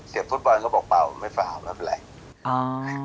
เสียบฟุตบอลเขาบอกเปล่าไม่เปล่าแล้วเป็นไร